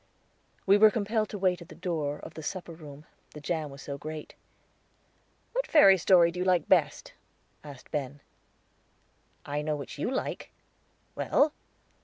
We were compelled to wait at the door of the supper room, the jam was so great. "What fairy story do you like best?" asked Ben "I know which you like." "Well?"